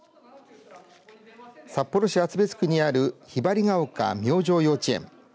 札幌市厚別区にあるひばりが丘明星幼稚園。